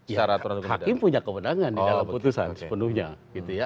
ya hakim punya kebenangan di dalam putusan sepenuhnya